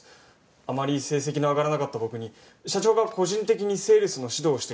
あまり成績の上がらなかった僕に社長が個人的にセールスの指導をしてくれて。